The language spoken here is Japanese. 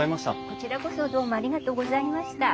こちらこそどうもありがとうございました。